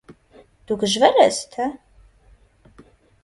- Դու գժվե՞լ ես, թե…